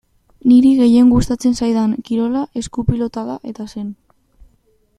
Niri gehien gustatzen zaidan kirola esku-pilota da eta zen.